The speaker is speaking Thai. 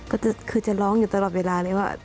ก็คือจะร้องอยู่ตลอดเวลาเลยว่า